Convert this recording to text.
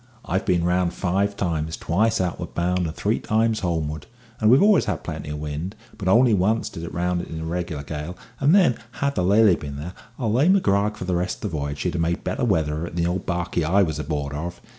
I've been round five times, twice outward bound and three times homeward, and we always had plenty of wind; but only once did I round it in a reg'lar gale, and then, had the Lily been there, I'll lay my grog for the rest of the v'yage she'd have made better weather of it than the old barkie I was aboard of.